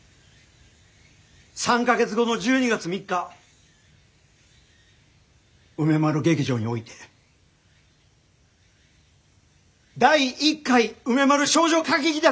３か月後の１２月３日梅丸劇場において第１回梅丸少女歌劇団